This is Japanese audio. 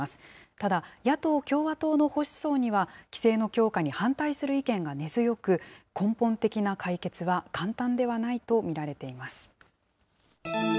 ただ、野党・共和党の保守層には、規制の強化に反対する意見が根強く、根本的な解決は簡単ではないと見られています。